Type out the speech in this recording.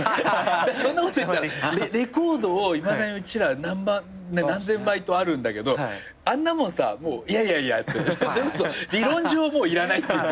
そんなこと言ったらレコードをいまだにうちら何千枚とあるんだけどあんなもんさいやいやいやってそれこそ理論上はもういらないっていうか。